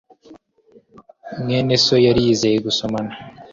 mwene so yari yizeye gusomana